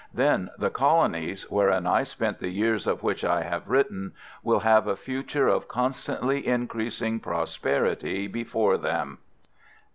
Then the colonies, wherein I spent the years of which I have written, will have a future of constantly increasing prosperity before them.